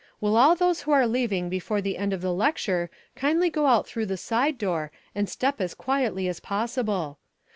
Will all those who are leaving before the end of the lecture kindly go out through the side door and step as quietly as possible?